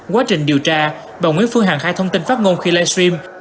quá trình điều tra bà nguyễn phương hằng khai thông tin phát ngôn khi livestream